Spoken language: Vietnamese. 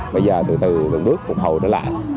bây giờ từ từ đường bước phục hậu trở lại